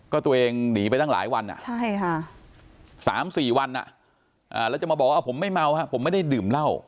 ก็ตัวเองหนีไปตั้งหลายวัน๓๔วันแล้วจะมาบอกว่าผมไม่เมาผมไม่ได้ดื่มเหล้า